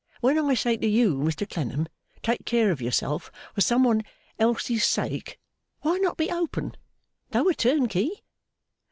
When I say to you, Mr Clennam, take care of yourself for some one else's sake, why not be open, though a turnkey?